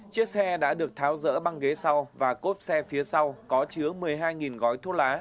chiếc xe đã được tháo rỡ bằng ghế sau và cốp xe phía sau có chứa một mươi hai gói thuốc lá